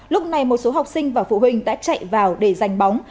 lúc này một số học sinh và phụ huynh đã chạy vào để giành bóng